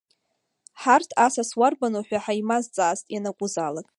Ҳарҭ асас уарбану ҳәа ҳаимазҵаацт ианакәызаалак!